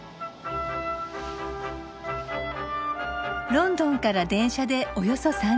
ロンドンから電車でおよそ３時間。